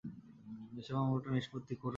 এসে মামলাটা নিষ্পত্তি করে দাও।